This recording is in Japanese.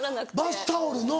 バスタオルの？